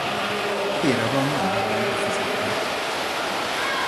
Kéraban nem hajlandó fizetni.